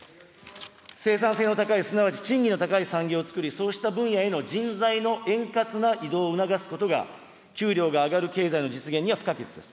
生産性の高い、すなわち賃金の高い産業をつくり、そうした分野への人材の円滑な移動を促すことが、給料が上がる経済の実現には不可欠です。